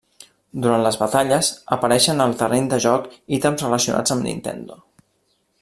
Durant les batalles, apareixen al terreny de joc ítems relacionats amb Nintendo.